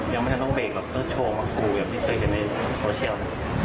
ยังไม่ได้ต้องเบรกก็โชว์มากกูอย่างที่เคยกันในโปรเชียล